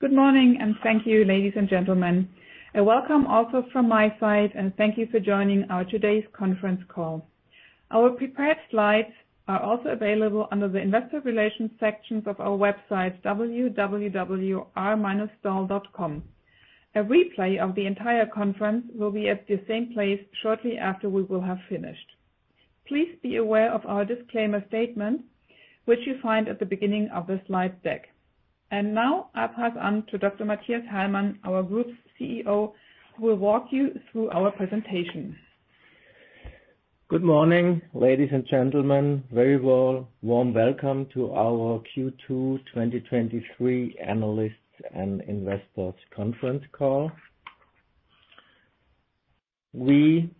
Good morning, and thank you, ladies and gentlemen, and welcome also from my side, and thank you for joining our today's conference call. Our prepared slides are also available under the Investor Relations sections of our website, www.r-stahl.com. A replay of the entire conference will be at the same place shortly after we will have finished. Please be aware of our disclaimer statement, which you find at the beginning of the slide deck. Now, I pass on to Dr. Mathias Hallmann, our Group CEO, who will walk you through our presentation. Good morning, ladies and gentlemen. Very well, warm welcome to our Q2 2023 Analysts and Investors Conference Call. We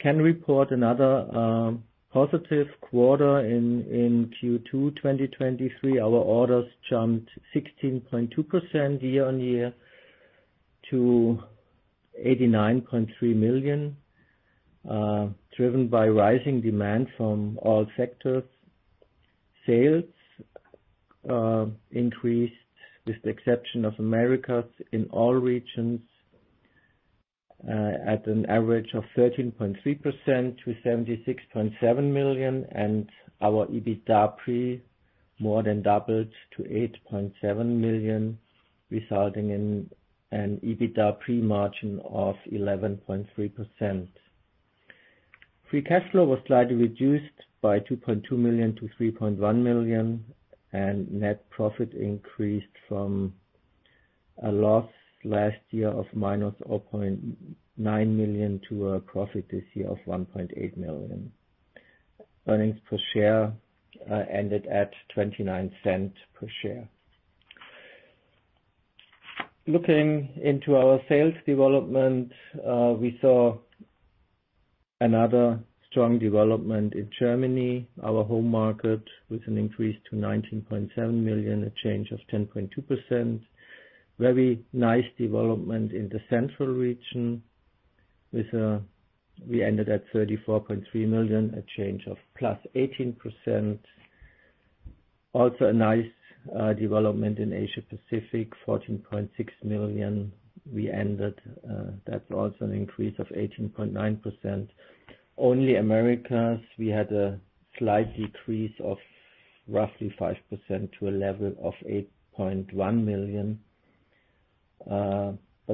can report another positive quarter in Q2 2023. Our orders jumped 16.2% year-on-year to 89.3 million, driven by rising demand from all sectors. Sales increased, with the exception of Americas, in all regions, at an average of 13.3% to 76.7 million. Our EBITDA pre more than doubled to 8.7 million, resulting in an EBITDA pre-margin of 11.3%. Free cash flow was slightly reduced by 2.2 million-3.1 million. Net profit increased from a loss last year of -0.9 million, to a profit this year of 1.8 million. Earnings per share ended at 0.29 per share. Looking into our sales development, we saw another strong development in Germany, our home market, with an increase to 19.7 million, a change of 10.2%. Very nice development in the central region, with, we ended at 34.3 million, a change of +18%. Also a nice development in Asia Pacific, 14.6 million. We ended, that's also an increase of 18.9%. Only Americas, we had a slight decrease of roughly 5% to a level of 8.1 million.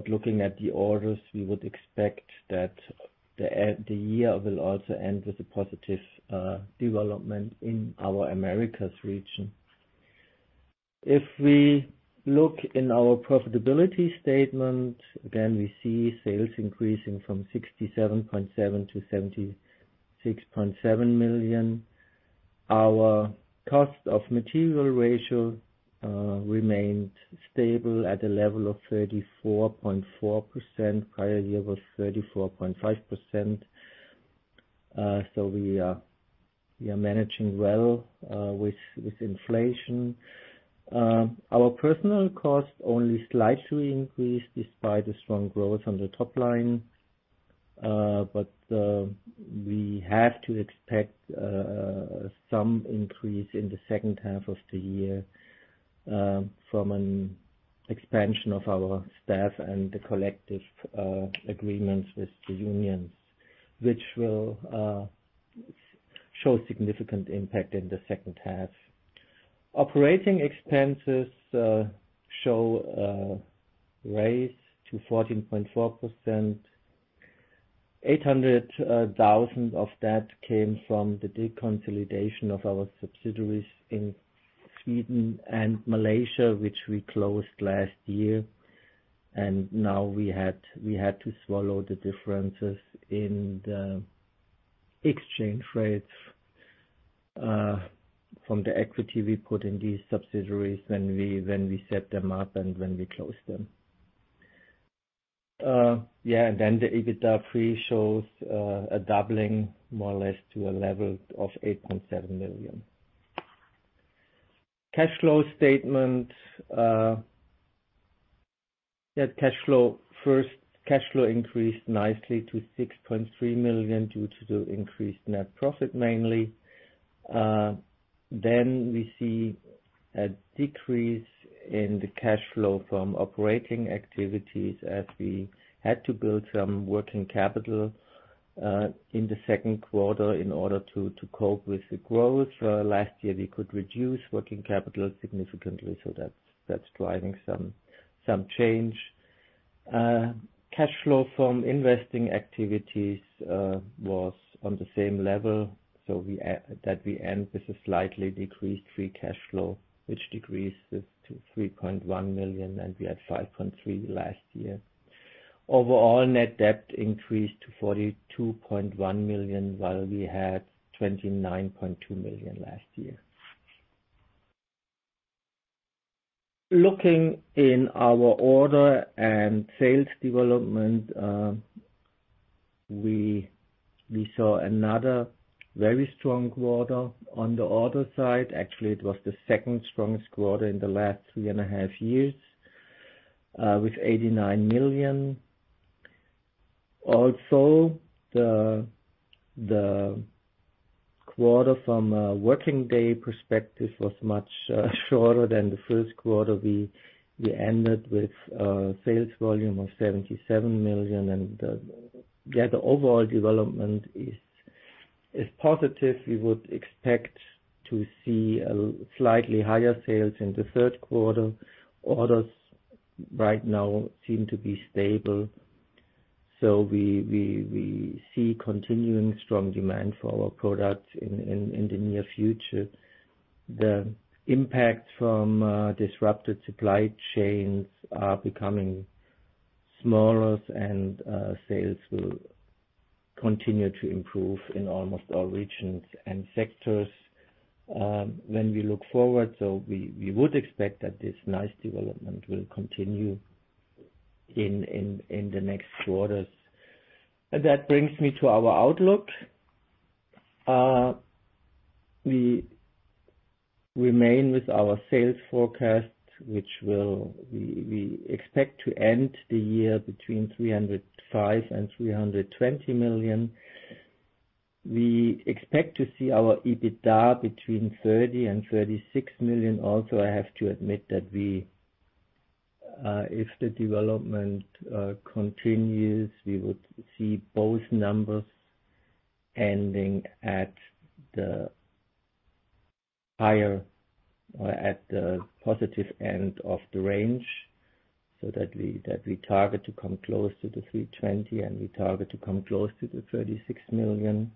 Looking at the orders, we would expect that the end, the year will also end with a positive development in our Americas region. If we look in our profitability statement, again, we see sales increasing from 67.7 million-76.7 million. Our cost of material ratio remained stable at a level of 34.4%, prior year was 34.5%. We are, we are managing well with, with inflation. Our personal cost only slightly increased despite the strong growth on the top line. We have to expect some increase in the second half of the year from an expansion of our staff and the collective agreements with the unions, which will show significant impact in the second half. Operating expenses show a raise to 14.4%. 800,000 of that came from the deconsolidation of our subsidiaries in Sweden and Malaysia, which we closed last year. Now we had, we had to swallow the differences in the exchange rates from the equity we put in these subsidiaries when we, when we set them up and when we closed them. Yeah, the EBITDA pre-shows a doubling, more or less to a level of 8.7 million. Cash flow statement. Yeah, cash flow. First, cash flow increased nicely to 6.3 million due to the increased net profit, mainly. Then we see a decrease in the cash flow from operating activities as we had to build some working capital in the second quarter in order to, to cope with the growth. Last year, we could reduce working capital significantly, so that's, that's driving some, some change. Cash flow from investing activities was on the same level, so we end with a slightly decreased free cash flow, which decreased to 3.1 million, and we had 5.3 million last year. Overall, net debt increased to 42.1 million, while we had 29.2 million last year. Looking in our order and sales development, we saw another very strong quarter. On the order side, actually, it was the second strongest quarter in the last three and a half years, with 89 million. Also, the quarter from a working day perspective was much shorter than the first quarter. We ended with sales volume of 77 million, the overall development is positive. We would expect to see a slightly higher sales in the third quarter. Orders right now seem to be stable, so we, we, we see continuing strong demand for our products in, in, in the near future. The impact from disrupted supply chains are becoming smaller, and sales will continue to improve in almost all regions and sectors, when we look forward. We, we would expect that this nice development will continue in, in, in the next quarters. That brings me to our outlook. We remain with our sales forecast, which will we, we expect to end the year between 305 million and 320 million. We expect to see our EBITDA between 30 million and 36 million. I have to admit that we, if the development continues, we would see both numbers ending at the higher, or at the positive end of the range, so that we, that we target to come close to the 320 million, and we target to come close to the 36 million.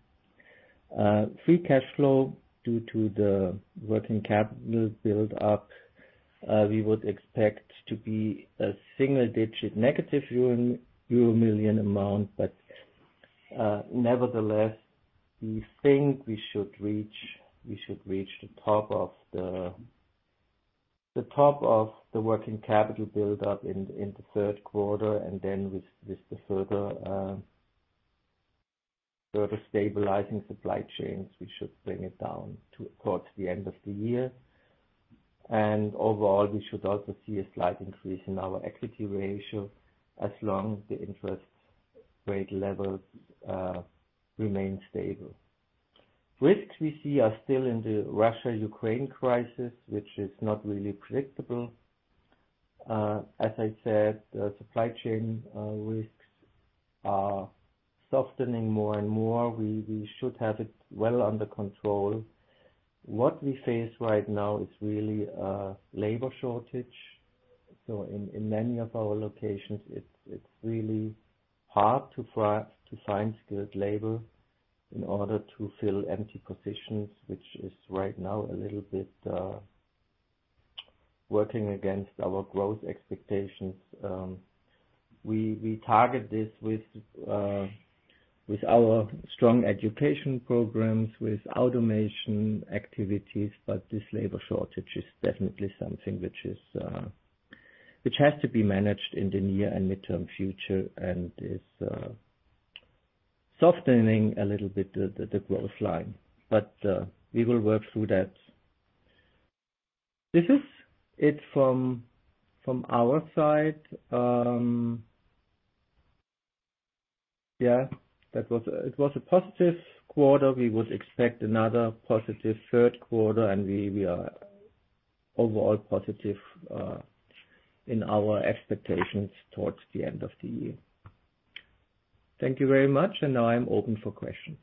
Free cash flow, due to the working capital build up, we would expect to be a single-digit negative EUR million amount. Nevertheless, we think we should reach, we should reach the top of the, the top of the working capital build up in, in the third quarter, and then with, with the further, further stabilizing supply chains, we should bring it down to towards the end of the year. Overall, we should also see a slight increase in our equity ratio, as long as the interest rate levels remain stable. Risks we see are still in the Russia-Ukraine crisis, which is not really predictable. As I said, the supply chain risks are softening more and more. We should have it well under control. What we face right now is really a labor shortage. In many of our locations, it's really hard for us to find skilled labor in order to fill empty positions, which is right now a little bit working against our growth expectations. We, we target this with, with our strong education programs, with automation activities, but this labor shortage is definitely something which is, which has to be managed in the near and midterm future, and is softening a little bit, the, the, the growth line. We will work through that. This is it from, from our side. Yeah, that was it was a positive quarter. We would expect another positive third quarter, we, we are overall positive in our expectations towards the end of the year. Thank you very much, now I'm open for questions.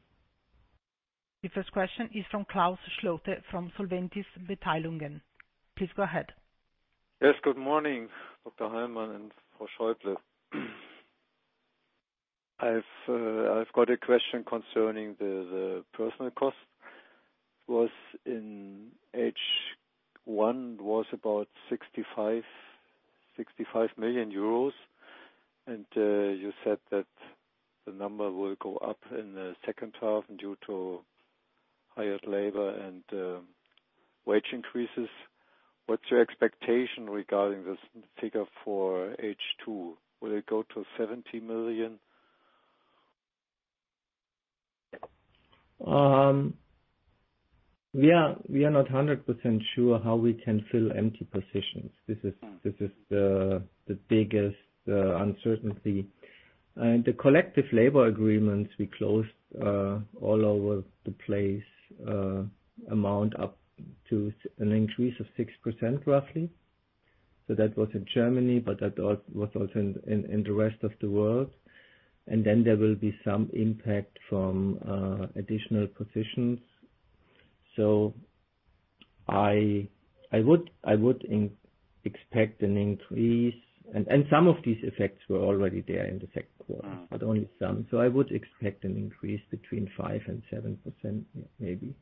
The first question is from Klaus Schlote, from Solventis Beteiligungen. Please go ahead. Yes, good morning, Dr. Mathias Hallmann and Judith Schäuble. I've, I've got a question concerning the personal cost. Was in H1, was about 65 million euros, and you said that the number will go up in the second half due to higher labor and wage increases. What's your expectation regarding this figure for H2? Will it go to 70 million? We are not 100% sure how we can fill empty positions. This is the, the biggest uncertainty. The collective labor agreements we closed all over the place amount up to an increase of 6%, roughly. That was in Germany, but that was also in, in, in the rest of the world. Then there will be some impact from additional positions. I, I would, I would expect an increase, and, and some of these effects were already there in the second quarter. Only some. I would expect an increase between 5% and 7%, maybe.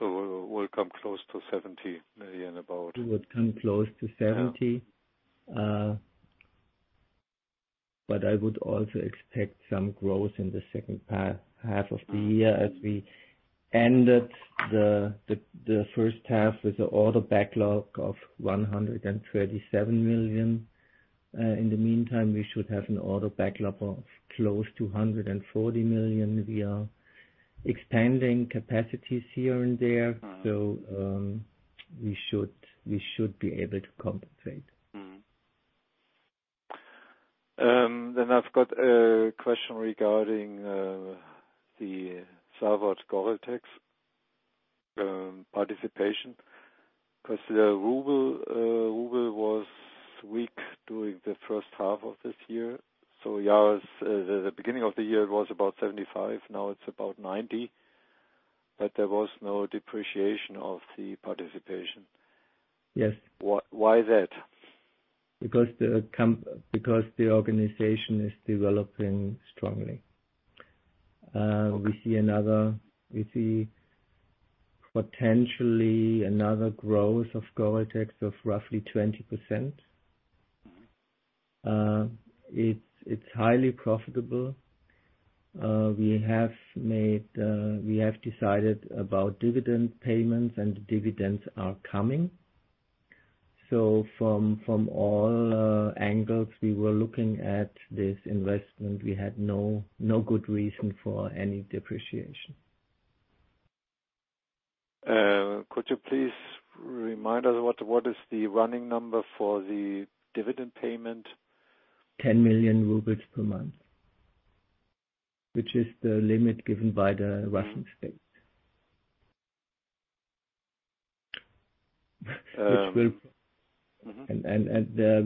We'll come close to 70 million, about? We would come close to 70. Yeah. I would also expect some growth in the second half, half of the year, as we ended the first half with the order backlog of 137 million. In the meantime, we should have an order backlog of close to 140 million. We are expanding capacities here and there. We should, we should be able to compensate. I've got a question regarding the Savard Gore-Tex participation because the ruble was weak during the first half of this year. Yeah, as the beginning of the year, it was about 75, now it's about 90, but there was no depreciation of the participation. Yes. Why, why is that? Because the com- because the organization is developing strongly. We see another, we see potentially another growth of Gore-Tex of roughly 20%. It's, it's highly profitable. We have made, we have decided about dividend payments, and dividends are coming. From, from all angles, we were looking at this investment, we had no, no good reason for any depreciation. Could you please remind us what, what is the running number for the dividend payment? 10 million rubles per month, which is the limit given by the Russian state. Which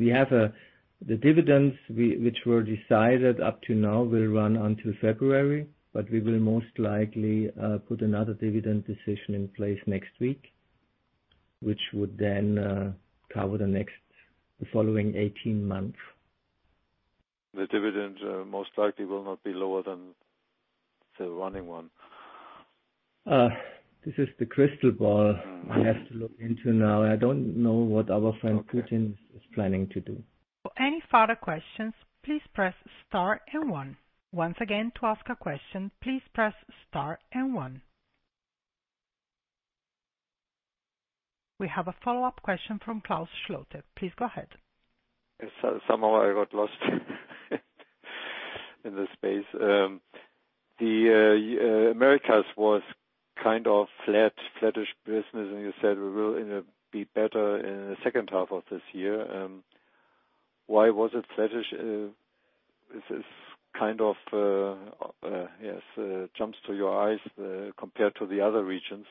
we have the dividends we, which were decided up to now, will run until February. We will most likely put another dividend decision in place next week, which would then cover the next, the following 18 months. The dividend, most likely will not be lower than the running one? This is the crystal ball. I have to look into now. I don't know what our friend Putin is planning to do. Any further questions, please press star and one. Once again, to ask a question, please press star and one. We have a follow-up question from Klaus Schlote. Please go ahead. Somehow I got lost in the space. The Americas was kind of flat, flattish business, and you said it will, you know, be better in the second half of this year. Why was it flattish? This is kind of, yes, jumps to your eyes, compared to the other regions.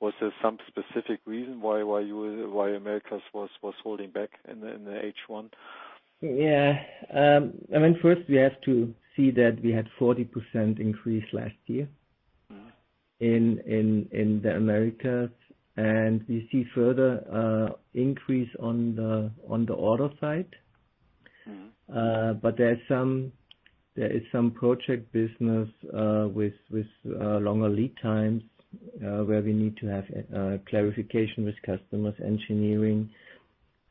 Was there some specific reason why, why you were, why Americas was, was holding back in the H1? Yeah. I mean, first we have to see that we had 40% increase last year. In the Americas, we see further increase on the order side. There is some project business, with, with, longer lead times, where we need to have, clarification with customers engineering,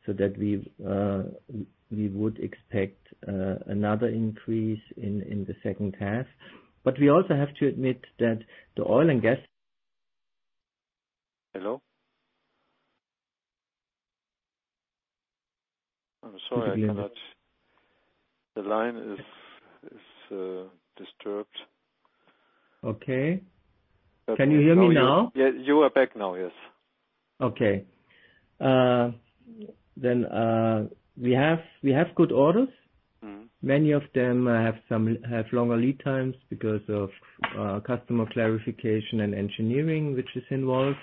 so that we've, we would expect, another increase in, in the second half. We also have to admit that the oil and gas. Hello? I'm sorry, I cannot, Can you hear me? The line is, is, disturbed. Okay. Can you hear me now? Yeah, you are back now, yes. Okay. We have, we have good orders. Many of them have some, have longer lead times because of customer clarification and engineering, which is involved.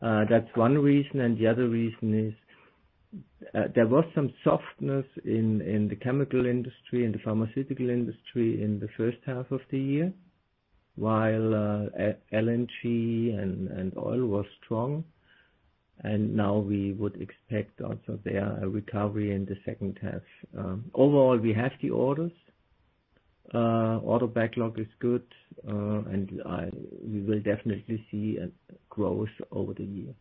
That's one reason, and the other reason is there was some softness in the chemical industry and the pharmaceutical industry in the first half of the year, while LNG and oil was strong. Now we would expect also there, a recovery in the second half. Overall, we have the orders. Order backlog is good, and we will definitely see a growth over the year.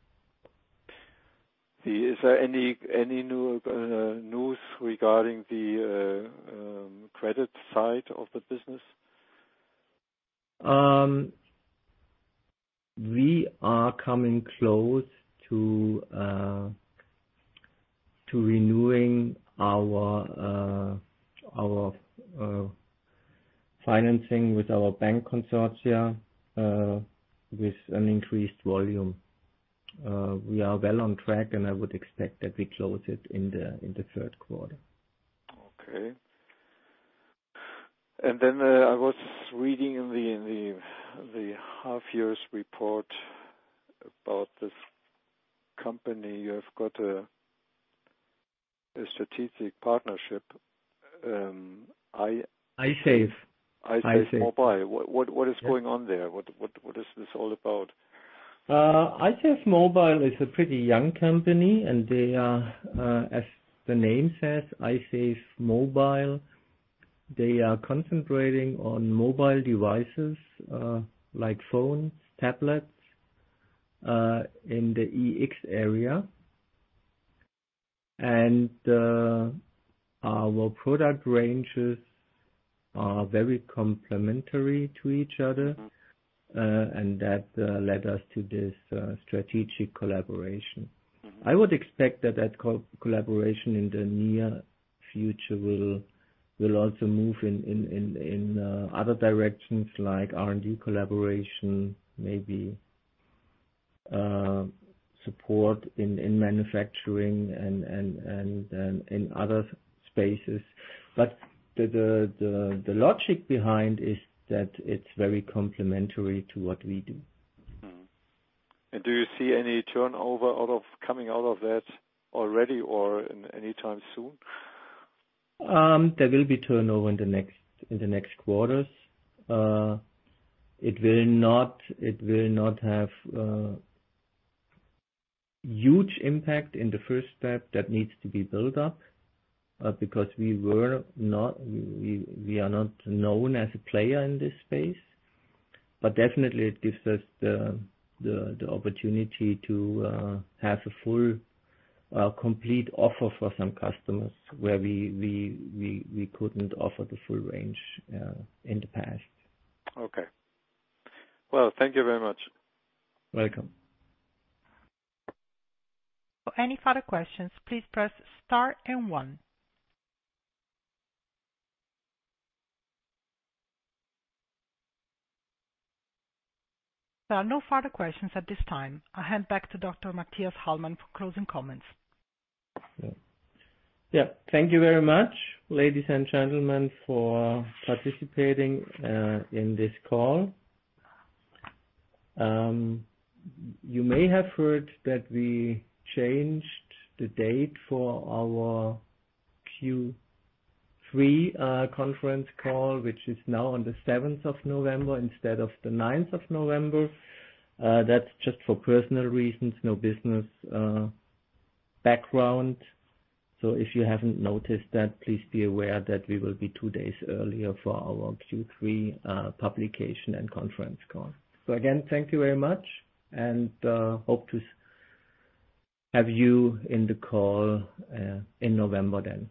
Is there any, any new news regarding the credit side of the business? We are coming close to renewing our financing with our bank consortia with an increased volume. We are well on track, and I would expect that we close it in the third quarter. Okay. Then, I was reading in the, in the, the half year's report about this company. You have got a, a strategic partnership. I save. i.safe MOBILE. I save. What, what is going on there? What, what, what is this all about? I Save Mobile is a pretty young company, and they are, as the name says, I Save Mobile. They are concentrating on mobile devices, like phones, tablets, in the Ex area. Our product ranges are very complementary to each other and that led us to this strategic collaboration. I would expect that that co-collaboration in the near future will, will also move in, in, in, in other directions, like R&D collaboration, maybe support in, in manufacturing and, and, and, and in other spaces. The, the, the logic behind is that it's very complementary to what we do. Do you see any turnover coming out of that already or in anytime soon? There will be turnover in the next, in the next quarters. It will not, it will not have huge impact in the first step that needs to be built up because we, we are not known as a player in this space. Definitely it gives us the, the, the opportunity to have a full, complete offer for some customers where we, we, we, we couldn't offer the full range in the past. Okay. Well, thank you very much. Welcome. For any further questions, please press star and one. There are no further questions at this time. I'll hand back to Dr. Mathias Hallmann for closing comments. Yeah. Thank you very much, ladies and gentlemen, for participating in this call. You may have heard that we changed the date for our Q3 conference call, which is now on the seventh of November instead of the ninth of November. That's just for personal reasons, no business background. If you haven't noticed that, please be aware that we will be two days earlier for our Q3 publication and conference call. Again, thank you very much, and hope to have you in the call in November then.